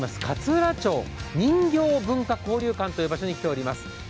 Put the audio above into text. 勝浦町人形文化交流館という場所に来ております。